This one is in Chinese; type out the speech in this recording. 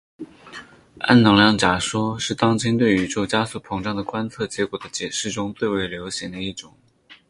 暗能量假说是当今对宇宙加速膨胀的观测结果的解释中最为流行的一种。